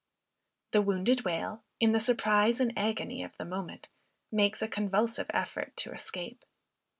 The wounded whale, in the surprise and agony of the moment, makes a convulsive effort to escape.